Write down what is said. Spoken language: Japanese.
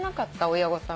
親御さん。